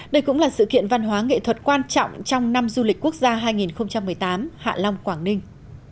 đây cũng là sự kiện văn hóa nghệ thuật quan trọng trong năm du lịch quốc gia hai nghìn một mươi tám hạ long quảng ninh